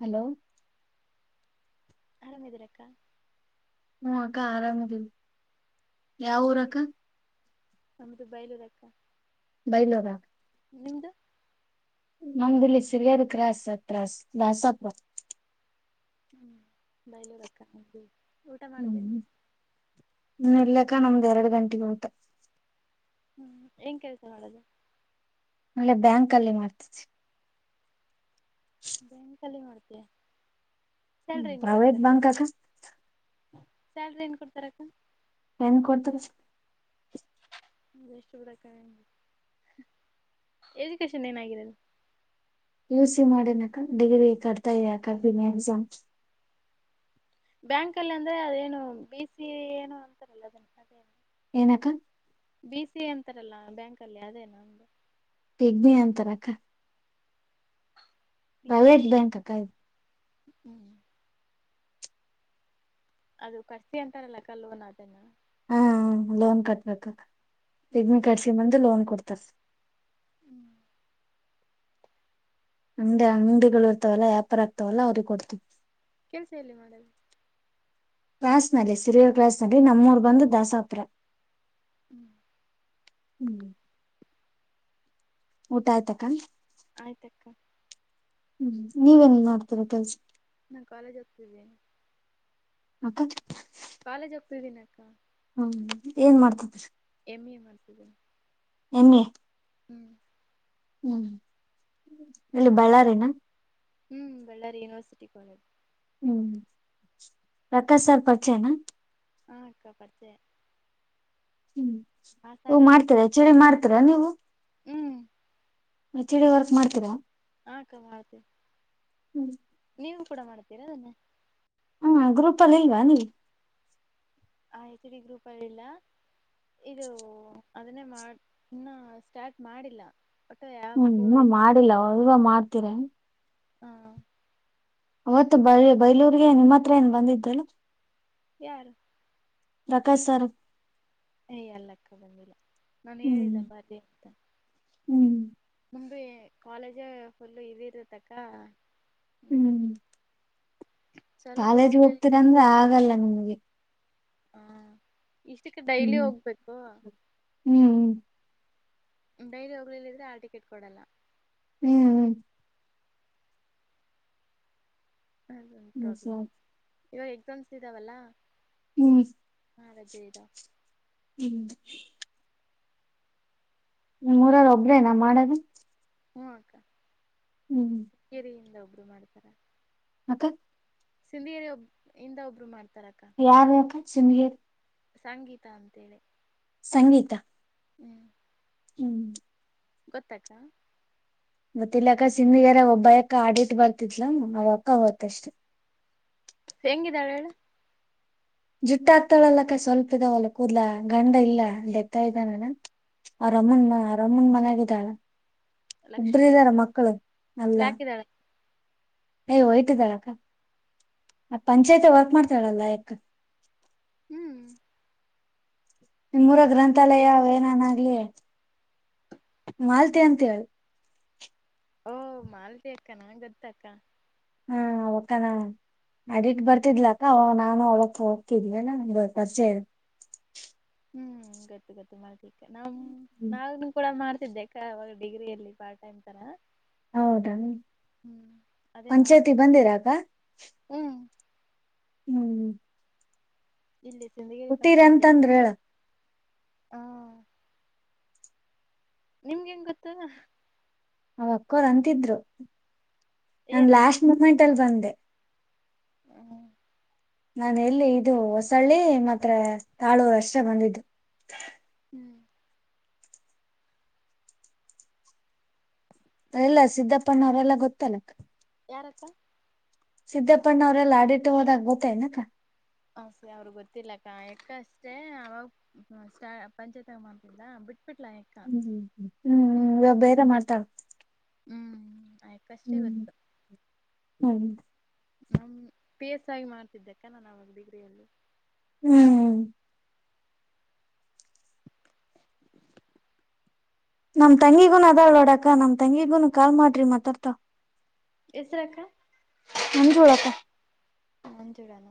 Hello ಯಾರ್ ಯಾರ್ ಇದಿರಕ್ಕಾ. ಹ್ಮ್ ಅಕ್ಕ ಆರಾಮದ್ ಇದಿವಿ ಯಾವ್ ಊರಕ್ಕ. ನಮ್ದು ಬೇಲುರ್ ಅಕ್ಕ. ಬೈಲೂರ ನಿಮ್ದು. ನಮ್ದಿಲ್ಲಿ [unintelligible] ಕ್ರಸ್ ಅತ್ರ ಹ್ಮ್ ಬಯಲೂರುಕ್ಕ ಊಟ ಮಾಡ್ದೆನೋ. ಹೂ ಇಲ್ಲಕ್ಕ ನಮ್ದ್ ಎರಡ್ ಗಂಟೆಗೆ ಊಟ. ಹ್ಮ್ ಏನ್ ಕೆಲ್ಸ ಮಾಡೊದು. ಅಲ್ಲೇ ಬ್ಯಾಂಕ್ ಅಲ್ಲಿ ಮಾಡ್ತಿದ್ದೆ. ಬ್ಯಾಂಕಲ್ಲಿ ಮಾಡ್ತೀಯ ಸ್ಯಾಲ್ರಿ ಎನ್ ಪ್ರೈವೇಟ್ ಕೊಡ್ತಾರೆ. ಬ್ಯಾಂಕ್ ಅಕ್ಕ ಸ್ಯಲ್ರಿ ಏನ್ ಕೊಡ್ತಾರಕ್ಕ. ಏನ್ ಕೊಡ್ತರೆ. ಎಷ್ಟು ಬಿಡಕ [unintelligible] ಎಜುಕೇಶನ್ ಏನಾಗಿದೆ. ಪಿ ಯು ಸಿ ಮಾಡಿನಿಕ ಡಿಗ್ರಿ ಕಟ್ತಾ ಇದಿನಕ್ಕ ಎಕ್ಸಾಮ್. ಬ್ಯಾಂಕ ಅಲ್ಲಿ ಅಂದ್ರೆ ಅದೇನು ಪಿ ಸಿ ಏನು ಅಂತಾರಲ್ಲದ ಅದೇ ತಾನೆ. ಎನಕ. ಬಿ ಸಿ ಐ ಅಂತಾರಲ್ಲ ಅಂತರಲ್ಲಾ ಬ್ಯಾಂಕ ಅಲ್ಲಿ ಅದೇನು. ಪಿಗ್ನಿ ಅಂತರಕ್ಕ. ಪ್ರೈವೇಟ್ ಬ್ಯಾಂಕ್ ಅಕ್ಕ ಅದು. ಹ್ಮ್ ಅದು ಕರ್ಸಿ ಅಂತಾರಲ್ಲಕ ಲೊನ್ ಅದೇನ. ಹ್ಮ ಲೋನ್ ಕಟ್ಬೇಕ ಕ ಹ್ಮ್ ಪಗ್ನಿ ಕಡ್ಸ ಬಂದು ಲೋನ್ ಕೊಡ್ತಾರ. ಹ್ಮ್ ಮುಂದೆ ಅಂಗ್ಡಿಗಳು ಇರ್ತವಲ್ಲ ವ್ಯಾಪಾರ ಆಗ್ತವಲ್ಲ ಅವ್ರಿಗೆ ಕೊಡ್ತವಿ. ಕೆಲ್ಸ ಎಲ್ಲಿ ಮಾಡದು. ಕ್ಲಾಸ್ ನಲ್ಲಿ ಸಿರಿಯ ಕ್ಲಾಸ್ ನಲ್ಲಿ ನಮ್ಮೂರ್ ಬಂದು ದಾಸಾತ್ರ ಹ್ಮ್ ಊಟ ಆಯ್ತ ಅಕ್ಕ ಆಯ್ತ ಅಕ್ಕ ಹ್ಮ್ ನೀವ ಎನ್ ಮಾಡ್ತೀರ ಕೆಲ್ಸಕ್ಕೆ ನಾನು ಕಾಲೇಜ್ ಹತಿದ್ದೀನಿ ಹಾ ಅಕ್ಕ ಕಾಲೇಜ್ ಹೋಗ್ತಿದ್ದೀನ ಅಕ್ಕ ಹ್ಮ್ ಏನ್ ಮಾಡ್ತಿದರಿ ಎಮ್ ಎ ಮಾಡ್ತಿದ್ದ ಮೀ ಎ ಹ್ಮ್ ಹ್ಮ್ ಇಲ್ಲಿ ಬಳ್ಳಾರಿನ ಹ್ಮ್ ಬಳ್ಳಾರಿ ಯೂನಿವರ್ಸಟಿ ಕಾಲೇಜ್ ಹ್ಮ್ ಪ್ರಕಾಶ್ ಸಾರ್ ಪರಿಚೆನಾ ಹಾ ಅಕ್ಕಾ ಪರಿಚಯ ಹ್ಮ್ ಹಾ ಹಓ ಸಾರಿ ಮಾಡ್ತರಾ ಚಳಿ ಮಾಡ್ತರಾ ನೀವು ಹ್ಮ್ ಚಿಡಿ ವರ್ಕ್ ಮಾಡ್ತೀರಾ ಹ ಅಕ್ಕ ಮಾಡುತ್ತೇವೆ ಹ್ಮ್ ನೀವು ಕೂಡ ಮಾಡ್ತೀರಾ ಅದನ್ನೇ ಹ್ಮ ಗ್ರೂಪ್ ಅಲ್ಲಿ ಇಲ್ವಾ ನೀವು ಆ ಹೆಚ್ಡಿ ಗ್ರೂಪ್ ಅಲ್ಲಿಿಲ್ಲ ಇದು ಅದನ್ನೇ ಮಾಡನ್ನ ಸ್ಟಾರ್ಟ್ ಮಾಡಿಲ್ಲ ಒಟ್ಟ ಹ್ಮ್ ಯಾಪು ಏನು ಮಾಡಿಲ್ಲ ಅವಗ ಮಾಡ್ತೀರ ಹಾ ಅವತ್ತು ಬ ಬೈಲೂರಿಗೆ ನಿಮ್ಮ ಹತ್ರ ಏನ್ ಬಂದಿದ್ದಲ್ಲ ಯಾರು ಪ್ರಕಾಶ್ ಸರ್ ಏಯ ಅಲ್ಲಕ್ಕ ಬಂದಿಲ್ಲ ನಾನು ಹ್ಮ್ ಹೇಳಿಲ್ಲ ಬಾರಿ ಹ್ಮ್ ಮುಮಿ ಕಾಲೇಜ ಫುಲ್ ಇದ ಇರತಕ್ಕ ಹ್ಮ್ ಸ್ವಲ್ಪ ಕಾಲೇಜ್ ಹೋಗ್ಲಿಲ್ಲ ಹೋಗ್ತೀರಂದ್ರೆ ಆಗಲ್ಲ ನಿಮ್ಗೆ ಹಾ ಇಷ್ಟಕ್ಕೆ ಡೈಲಿ ಹ್ಮ್ ಹೋಗ್ಬೇಕು ಹ್ಮ್ ಡೈಲಿ ಹೋಗ್ಲಿಲ್ಲಿದ್ರೆ ಆ ಟಿಕೆಟ್ ಕೊಡಲ್ಲ ಹ್ಮ್ ಹ್ಮ್ ಅದೊಂದು ಹ್ಮ್ ಪ್ರಾಬ್ಲಮ್ ಹ್ಮ್ ಇವಾಗ ಎಕ್ಸಾಮ್ಸ್ ಇದ್ದಾವಲ್ಲ ಹ್ಮ್ ಹಾ ರಜ ಇದಾವ ಹ್ಮ್ ನೇಮ್ ಉರ್ಗ ಒಬ್ಬ್ರೇನ ಮಾಡದು ಹ್ಮ್ ಅಕ್ಕ ಹ್ಮ್ ಕೆಿರಯಿಂದ ಒಬ್ರು ಮಾಡ್ತಾರ ಮತ್ತೆ ಸಿಧಿಯೇರಿ ಒಬ್ಬ ಇಂದ ಒಬ್ರು ಮಾಡ್ತಾರ ಅಕ್ಕಾ ಯಾರಿ ಅಕ್ಕಾ ಸಿಂದಿಗೇರಿ ಸಂಗೀತಾ ಅಂತೇಳಿ ಸಂಗೀತಾ ಹುಂ ಹುಂ ಗೊತ್ತ ಅಕ್ಕಾ ಮತ್ತ ಇಲ್ಲ ಅಕ್ಕ ಸಿಂದಿಗಾರ ಒಬ್ಬ ಅಕ್ಕ ಆಡಿಟ್ ಬರ್ತಿತ್ಲ ಅವ ಅಕ್ಕ ಹೋತ ಅಷ್ಟೆ ಹೆೇಂಗಿದ್ದಾಳ ಹೇಳು ಜುಟ್ಟ ಹಾಕತಾಳಲ್ಲಕ್ಕ ಸ್ವಲ್ಪ ಇದಾವಲ್ಲಾ ಕೂದಲಾ ಗಂಡ ಇಲ್ಲ ಡೆತ್ತ ಇದ್ದಾ ನನ ಹ್ಮ್ ಅರಮ್ಮನ್ ರಮ್ಮನ್ ಮನಾಗಿದ್ದಾಳ ಇಬ್ಬರು ಲಕ್ಷ್ಮಿ ಇದ್ದಾರ ಅಕ್ಕ ಮಕ್ಕಳು ಎಲ್ಲಾ ಬ್ಲ್ಯಾಕ್ ಇದ್ದಾಳೆ ಅಯೋ ವೈಟ್ ಇದಾಳಕ್ಕ ಪಂಚಾಯತಿ ವರ್ಕ್ ಮಾಡ್ತಾಳಲ್ಲ ಯಕ್ಕಾ. ಹುಂ ನಿಮ್ಮೂರ ಗ್ರಂಥಾಲಯ ಎ ಅವ ಏನನಆಗ್ಲಿ ಮಾಲತಿ ಅಂತೇಳಿ ಓಹ ಮಾಲತಿ ಅಕ್ಕಾ ನಾ ಗೊತ್ತ ಅಕ್ಕಾ ಹಾ ಅವಕ್ಕಾನ ಅಡಿಟಕ ಹ್ಮ್ ಬರ್ತಿದ್ಲಾ ಹ ನಾನು ಅವಾಗ ಹೋಗ್ತಿದೀ ಅಲ್ಲ ಇವ ಪರಿಚಯ ಇರ ಹುಂ ಗೊತ್ತು ಗೊತ್ತು ಮಾಲತಿ ಅಕ್ಕಾ ನಾ ಹ್ಮ್ ನಾನು ಕೂಡ ಮಾಡ್ತಿದ್ದೆ ಅವಾಗ ಡಿಗ್ರಿ ಅಲ್ಲಿ ಪಾರ್ಟ್ ಟೈಮ್ ತರಾ ಹೌದಾ ಪಂಚಾಯ್ತಿ ಬಂದಿರಾಕ್ಕಾ ಹುಂ ಹುಂ ಇಲ್ಲಿ ಸಿಂಧಗಿರಿ ಪಂಚಾಯತಿ ಅಂತಂದ್ರ ಹೇಳ ಹಾ ನಿಮ್ ಗ ಹೆಂಗ ಗೊತ್ತು ಅವ ಅಕ್ಕೋರು ಅಂತಿದ್ರು ನನ ಏನಂತ ಲಾಸ್ಟ ಮೂಮೆಂಟ್ ಅಲ್ಲಿ ಬಂದೆ ಹುಂ ನಾನ ಹೇಲ್ಲಿ ಇದು ಹೊಸಳ್ಳಿ ಮತ್ರ ತಾಳೂರು ಅಷ್ಟೇ ಬಂದಿದ್ದು. ಹುಂ ಎಲ್ಲಾ ಸಿದ್ದಪ್ಪಣ್ಣ ಅವರೆಲ್ಲ ಗೊತ್ತಲ್ಲ. ಯಾರಕ್ಕಾ ಸಿದ್ದಪ್ಪಣ್ಣ ಅವರೆಲ್ಲಾ ಆಡಿಟ್ ಹೋದಾಗ ಗೋತ್ತೆ ನಕ್ಕಾ? ಹ ಸರಿ ಅವ್ರಿಗೆ ಗೊತ್ತಿಲ್ಲಕ್ಕಾ ಯಾಕ್ಕ ಅಷ್ಟೆ ಅವಾಗ. ಹ್ಮ ಪಂಚಾಯತಾಗ ಮಾಡ್ತಿಲ್ಲಾ ಬಿಟ್ಬಿಟ್ಲಾ ಯಾ ಹ ಹುಂ ಬೇರೆ ಮಾತಾಡು ಹುಂ ಆ ಅಕ್ಕಾ ಅಷ್ಟೇ ಗೊತ್ತು. ಹುಂ ನಮ ಪಿ ಎಸ್ ಐ ಆಗಿ ಮಾಡ್ತಿದ್ದೆಕ್ಕಾ ನಾನ ಅವಾಗ ಡಿಗ್ರಿಯಲ್ಲಿ ಹುಂ [inaudible] ನಮ ತಂಗಿಗೂನು ಅದಾ ನೋಡಕ್ಕಾ ನಮ್ಮ ತಂಗಿಗೂನು ಕಾಲ ಮಾಡ್ರಿ ಮಾತಾಡತಾಳ ಹೆಸರ ಅಕ್ಕಾ ಮಂಜುಳಾ ಅಕ್ಕಾ ಮಂಜುಳಾ ನ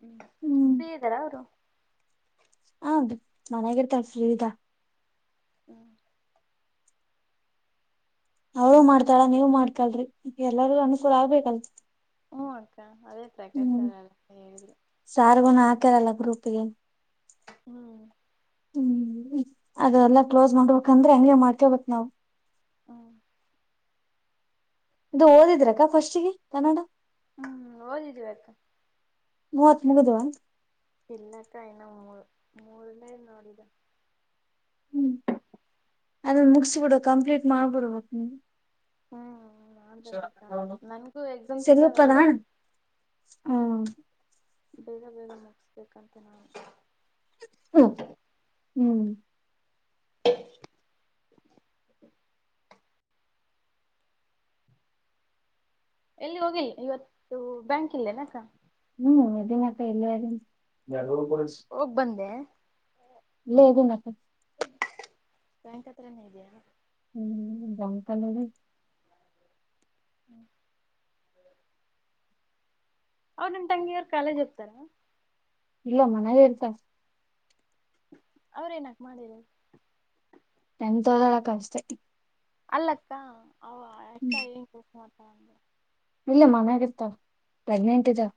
ಹ್ಮ್ ಹ್ಮ್ ಫ್ರೀ ಇದ್ದಾರಾ ಅವರು ಹೌದು ಮನ್ಯಾಗ ಇರತಾಳ ಫ್ರೀ ಅದಾಳ ಹ್ಮ್ ಅವು ಮಾಡ್ತಾಳ ನೀವು ಮಾಡ್ಕಲ್ರಿ ಎಲ್ಲರ್ಗೂ ಒಂದೇ ಸಲಿ ಆಗ್ಬೇಕಲ. ಹ್ಮ್ ಅಕ್ಕ ಅದೇ ಪ್ರಕಾಶ ಹೇಳಿ. ಸಾರ್ಗುನು ಹಾಕ್ಯಾರಲ್ಲ ಗ್ರೂಪ್ಗೆ. ಹ್ಮ್ ಹ್ಮ್ ಅದೆಲ್ಲಾ ಕ್ಲೋಸ್ ಮಾಡ್ಬೇಕಂದ್ರೆ ಹಂಗೆ ಮಾಡ್ಕೊಬೇಕ್ ನಾವ್. ಹಾ ಇದು ಓದಿದ್ರಕ್ಕ ಫಸ್ಟ್ಗೆ ಕನ್ನಡ. ಹ್ಮ್ ಓದಿದಿವಿ ಅಕ್ಕ. ಮೂವತ್ ಮುಗುದ್ವ. ಇಲ್ಲಕ್ಕ ಇನ್ನು ಮೂರ್ ಮೂರ್ನೇ ನೋಡಿದ. [unintelligible] ಅದನ್ ಮುಗ್ಸಿ ಬಿಡು ಕಂಪ್ಲೀಟ್ ಮಾಡ್ಬಿಡಬೇಕ್ ನೀನು. ಹ್ಮ್ ಮಾಡ್ಬೇಕಕ್ಕ ನನ್ಗೂ ಎಕ್ಸಾಮ್ಸ್ ಸೆಂಗುಪ್ಪನ ಇದಾವಲ್ಲ ಹ್ಮ. ಬೇಗ ಬೇಗ ಮುಗ್ಸ್ಬೇಕಂತೆ ನಾ. ಹು ಹ್ಮ್. [unintelligible] ಎಲ್ಲಿ ಹೋಗಿ ಇವತ್ತು ಬ್ಯಾಂಕ್ ಇಲ್ಲೇ ನಕ್ಕ. ಹ್ಮ್ ಇದಿನ್ ಅಕ್ಕ ಇಲ್ಲೇ ಇದಿನ್. ಹೋಗ್ ಬಂದೆ. ಇದೀನಕ್ಕ ಬ್ಯಾಂಕ್ ಹತ್ರನೆ ಇದ್ಯಾ. ಹ್ಮ್ ಬ್ಯಾಂಕ್ ಅಲ್ಲೇ ಇದಿನ್. [unintelligible] ಅವ್ರ್ ನಿಮ್ ತಂಗಿಯವ್ರ್ ಕಾಲೇಜ್ ಇರ್ತರ. ಇಲ್ಲ ಮನೇಲೆ ಇರ್ತ. ಅವ್ರ್ ಏನ ಮಾಡಿರೋದ್. ಎಂತದಿಲ್ಲ ಅಕ್ಕ ಅಷ್ಟೇ. ಅಲ್ಲಕ್ಕ ಅವ್ ಅ ಯಕ್ಕ ಏನ್ ಕೆಲ್ಸ ಮಾಡ್ತಾಳ್ ಅಂದೆ. ಇಲ್ಲ ಮನೆಗಿತ್ತ ಪ್ರೆಗ್ನೆಂಟ್ ಇದೆ.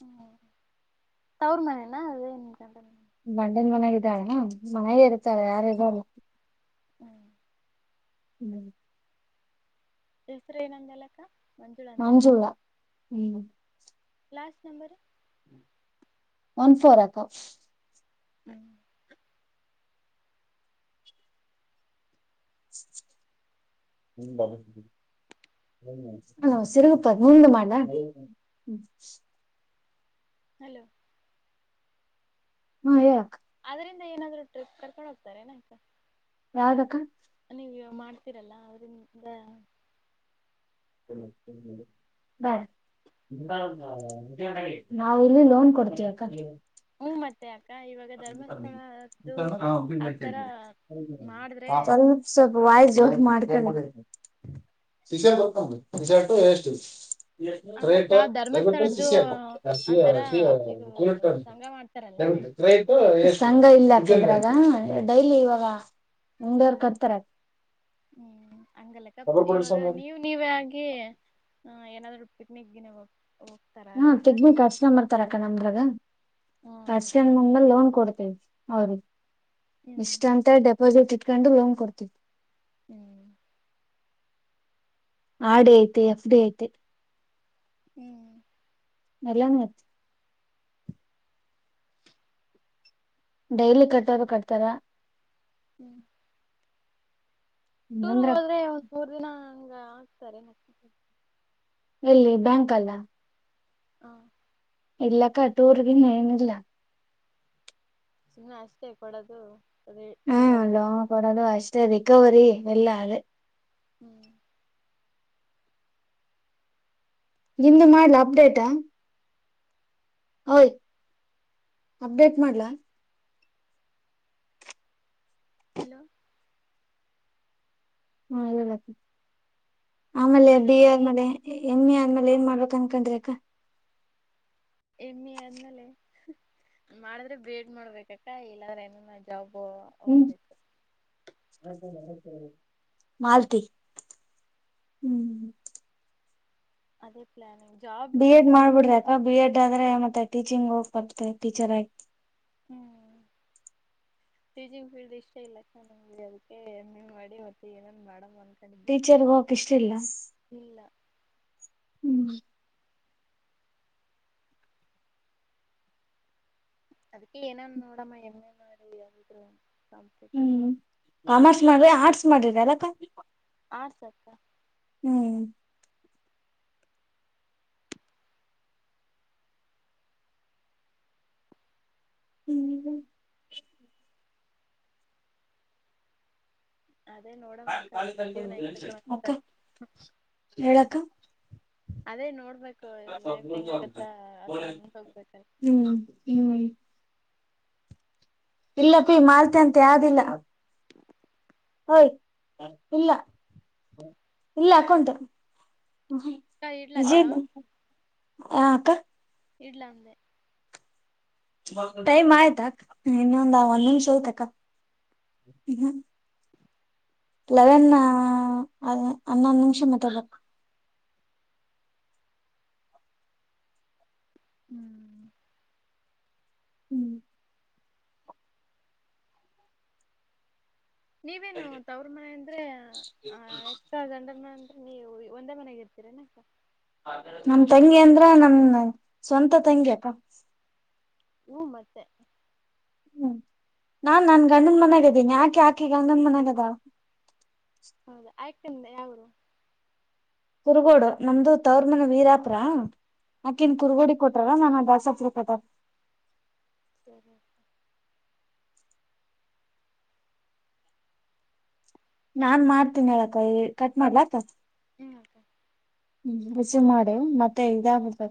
ಹ್ಮ್ ತವ್ರ್ ಮನೆನಾ ಅದೇ ನಿನ್ ಗಂಡನ್ ಮನೆ. ಬಂಡನ್ ಮನೆಗ್ ಇದಾಳ್ ಮನೆಗೆ ಇರ್ತಾಳೆ ಯಾರ್ ಇರಲ್ಲ. ಹ್ಮ್ ಹ್ಮ್ ಹೆಸ್ರ ಏನಂದೇಲ್ಲಕ್ಕ. ಮಂಜುಳ ಹ್ಮ್. Last number. ಒನ್ ಫೋರ್ ಅಕೌ. ಹ್ಮ್ ಹಿಂಗ್ ಬರುತ್ರಿ. ಹಾ ಸಿರುಗುಪ್ಪ ಮುಂದ್ ಮಾಡ್ಲಾ. ಹಲೋ. ಹಾ ಹೇಳ್ ಅಕ್. ಅದ್ರಿಂದ ಏನಾದ್ರು ಟ್ರಿಪ್ ಕರ್ಕೊಂಡ್ ಹೋಗ್ತರೆನೆಕ್ಕ. ಯಾವ್ದಕ್ಕ. ನೀವ್ ಇವಾಗ್ ಮಾಡ್ತೀರಲ್ಲ ಅವ್ರಿಂದ. ಇನ್ನ ಟೈಮಿದೆ ನಾವು ಇಲ್ಲಿ ಲೋನ್ ಕೊಡ್ತೀವಕ್ಕ ಹ್ಮ ಮತ್ತೆ ಅಕ್ಕ ಇವಾಗ [unintelligible] ಧರ್ಮಸ್ಥಳದ್ದು ಆತರ ಮಾಡಿದ್ರೆ ಸ್ವಲ್ ಸ್ವಲ್ಪ ವಾಯ್ಸ್ ಜೋರ್ ಮಾಡ್ಕಳಿ. [unintelligible] ಸಿ ಶರ್ಟು ವೇಸ್ಟಿ ಅಲ್ಲಕ್ಕ ರೇಟು ಧರ್ಮಸ್ಥಳದ್ದು ಆತರ ಇದು ಸಂಘ ಮಾಡ್ತಾರಲ್ಲ [unintelligible] ಸಂಘ ಇಲ್ಲಪ್ಪಿ ಇದ್ರಾಗ ಡೈಲಿ ಇವಾಗ ಮುಂಡೋರ್ ಕರ್ತಾರೆ. ಹ್ಮ್ ಹಂಗಲ್ಲಕ್ಕ ಇವಾಗ ನೀವ್ ನೀವ ಆಗಿ ಹ ಏನಾದ್ರು ಪಿಕ್ನಿಕ್ ಗಿನಿ ಹೋಗ್ ಹಾ ಪಿಗ್ನಿ ಕರ್ಸ್ಕೊಂಡಂಬರ್ತಾರಕ್ಕ ನಮ್ದ್ರಾಗ ಹ್ಮ ಅದ ಕರ್ಸ್ಕೊಂಡ್ ಮುಂದ ಲೋನ್ ಕೊಡ್ತಿವಿ. ಹೌದು ಹ್ಮ್ ಇಷ್ಟ ಅಂತ ಡೆಪಾಸಿಟ್ ಇಟ್ಕೊಂಡು ಲೋನ್ ಕೊಡ್ತಿವಿ. ಹ್ಮ್ ಆರ್ಡಿ ಐತಿ ಎಫ್ಡಿ ಐತೆ. ಹ್ಮ್ ಎಲ್ಲಾನು ಐತ್ ಡೈಲಿ ಕಟ್ಟೋರು ಕಟ್ತಾರ ಹ್ಞೂ ಟೂರ್ ಹಂಗಂದ್ರ ಹೋದ್ರೆ ಒಂದ್ ಮೂರು ದಿನ ಹಂಗಾಗ್ತಾರೆ. ಎಲ್ಲಿ ಬ್ಯಾಂಕಲ್ಲ. ಹಾ ಇಲ್ಲಕ್ಕಟೂರ್ಗಿನ್ ಏನಿಲ್ಲ. ಸುಮ್ಮ ಅಷ್ಟೇ ಕೊಡೋದು. ಅದೇ ಹ್ಮ್ ರಿನ್ವಲ್ ಲೋನ್ ಕೊಡದು ಅಷ್ಟೇ ರಿಕವರಿ ಎಲ್ಲ ಅದೇ ಹ್ಮ್ ನಿಮ್ದ್ ಮಾಡ್ಲ ಅಪ್ಡೇಟಾ. ಹೊಯ್ ಅಪ್ಡೇಟ್ ಮಾಡ್ಲಾ? ಹಲೋ ಹ್ಮ ಆಮೇಲೆ ಹೋಗ್ಬೇಕ ಡಿ ಏ [unintelligible] ಎಂ ಏ ಆದ್ಮೇಲೆ ಏನ್ ಮಾಡ್ಬೇಕ್ ಅನ್ಕೊಂಡ್ರಿ ಅಕ್ಕ. ಎಮ್ಮಿ ಅದ್ಮ್ಯಾಲೆ ಹ್ ಹ್ ಮಾಡಿದ್ರೆ ಬಿ ಎಡ್ ಮಾಡ್ಬೇಕಕ್ಕ ಇಲ್ಲಾದ್ರ ಏನಿಲ್ಲ ಜಾಬು ಹ್ಮ್ ಮಾಲ್ತಿ ಹ್ಮ್ ಅದೇ ಪ್ಲಾನಿಂಗ್ ಜಾಬ್ಗ್ ಬಿ ಎಡ್ ಹೋಗ್ಬೇ ಮಾಡ್ಬಿಡ್ರಿ ಬಿ ಎಡ್ ಆದ್ರೆ ಮತ್ತ ಟೀಚಿಂಗ್ ಹೋಗ್ ಬರ್ತ್ ಟೀಚರ್ ಆಗ್ ಹ್ಮ್ ಟೀಚಿಂಗ್ ಫೀಲ್ಡ್ ಇಷ್ಟ ಇಲ್ಲಕ್ಕ ನಮಗೆ ಅದಕ್ಕೆ ಎಂ ಏ ಮಾಡಿ ಮತ್ತ ಏನೇನ ಮಾಡಮ್ ಅನ್ ಟೀಚರ್ಗೆ ಹೋಗಕ್ ಇಷ್ಟಿಲ್ಲ. ಇಲ್ಲ ಹ್ಮ್ ಅದಕ ಏನನ್ ನೋಡಮ್ಮ ಎಂ ಏ ಮಾಡಿ ಯಾವ್ದಿದ್ರು ಕಾಂಪಿಟೆಟಿವ್. ಹ್ಮ್ ಕಾಮರ್ಸ್ ಮಾಡ್ರಿ ಆರ್ಟ್ಸ್ ಮಾಡಿರ್ ಅಲ್ಲಕ್ಕ ನೀವು. ಆರ್ಟ್ಸ್ ಅಕ್ಕ ಹ್ಮ್ [unintelligible] ಅದೇ ನೋಡ್ ಅಕ್ಕಾ ಹೇಳಕ್ಕ. ಅದೇ ನೋಡ್ಬೇಕು ಲೈಫ್ ಹೆಂಗಗತ್ತಾ ಆತರ ಮುಂದೆ ಹೋಗ್ಬೇಕಲ್ ಹ್ಮ್ ಹ್ಮ್ ಇಲ್ಲ ಅಪೀ ಮಾಲ್ತಿ ಅಂತ ಯಾವ್ದಿಲ್ಲ. ಓಯ್ ಇಲ್ಲ ಇಲ್ಲ ಅಕೌಂಟ್. [unintelligible] ಅಕ್ಕ ಇಡ್ಲಕ್ಕ ಹಾ ಅಕ್ಕಾ. ಇಡ್ಲಾ ಅಂದೆ. ಟೈಮ್ ಆಯ್ತಾ ಅಕ್ಕಾ ಇನ್ನೊಂದ ಒಂದ ನಿಮಿಷ ಐತಕ್ಕ [unintelligible] ಲೆವೆನ್ ನಾ ಹನ್ನೊಂದು ನಿಮಿಷ ಮಾತಾಡ್ ಬೇಕು. ಹ್ಮ್ ಹ್ಮ್ ನೀವೇನು ತವ್ರ ಮನೆ ಅಂದ್ರೆ ಆ ಎಕ್ಕ ಗಂಡರ ಮನೆ ಅಂದ್ರೆ ನೀವು ಒಂದೇ ಮನೆಗ್ ಇರ್ತೀರನ ಅಕ್ಕ. ನಮ್ ತಂಗಿ ಅಂದ್ರ ನಾನ್ ಸ್ವಂತ ತಂಗಿ ಅಕ್ಕ. ಹೂ ಮತ್ತೇ. ಹ್ಮ್ ನಾನ್ ನನ್ ಗಂಡನ್ ಮನ್ಯಾಗಿದ್ದೀನಿ ಯಾಕೆ ಆಕೆ ಗಂಡನ ಮನ್ಯಾಗ್ ಅದಳ. ಹೌದಾ ಆಯ್ಕ್ತಿಂದ ಯಾವರು. ಕುರುಗೋಡು ನಮ್ದು ತವರ್ ಮನ ವೀರಾಪುರಾ ಆಕೀನ್ ಹ್ಮ್ ಕುರ್ಗೋಡಿಗ್ [unintelligible] [unintelligible] ನಾನ್ ಮಾಡ್ತೀನಿ ಹೇಳಕ ಈ ಕಟ್ ಮಾಡ್ಲಾ ಅಕ್ಕಾ. ಹ್ಮ ಹ್ಮ್ ರಿಸೀವ್ ಮಾಡೇ ಮತ್ತೆ ಇದಾಗ ಬಿಡ್ತಾ